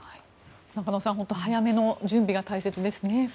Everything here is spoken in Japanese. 中野さん早めの準備が大切ですね。